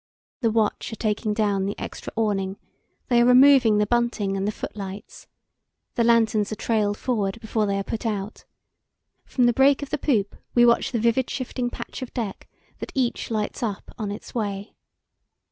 The watch are taking down the extra awning; they are removing the bunting and the foot lights. The lanterns are trailed forward before they are put out; from the break of the poop we watch the vivid shifting patch of deck that each lights up on its way.